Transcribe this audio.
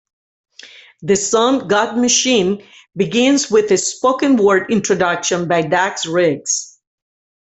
The song "God Machine" begins with a spoken word introduction by Dax Riggs.